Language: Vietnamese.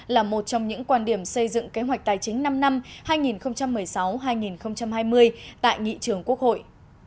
là một trong những quan điểm xây dựng kế hoạch tài chính năm năm hai nghìn một mươi sáu hai nghìn hai mươi tại nghị trường quốc hội